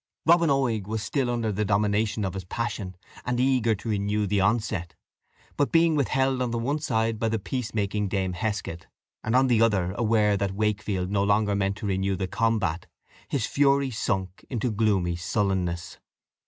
Robin Oig was still under the dominion of his passion, and eager to renew the onset; but being withheld on the one side by the peacemaking Dame Heskett, and on the other aware that Wakefield no longer meant to renew the combat, his fury sunk into gloomy sullenness.